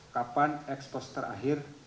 kapan ekspos terakhir